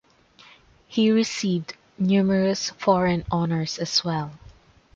He received numerous foreign honours as well.